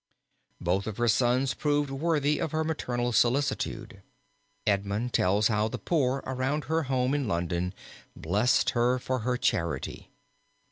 Both of her sons proved worthy of her maternal solicitude. Edmund tells how the poor around her home in London blessed her for her charity.